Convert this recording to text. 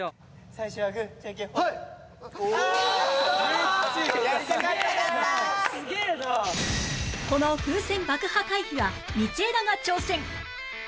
この風船爆破回避は道枝が挑戦！